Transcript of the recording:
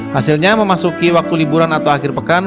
hasilnya memasuki waktu liburan atau akhir pekan